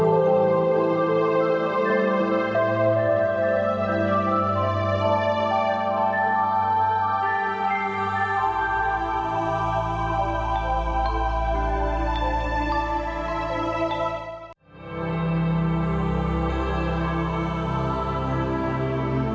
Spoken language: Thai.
โปรดติดตาม